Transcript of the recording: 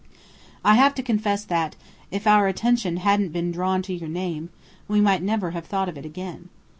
I have to confess that, if our attention hadn't been drawn to your name, we might never have thought of it again.